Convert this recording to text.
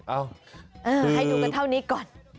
เอาให้ดูกันเท่านี้ก่อน